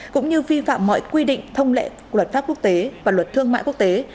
cũng như vi phạm mọi quy định thông lệ luật pháp quốc tế và luật thương mại quốc tế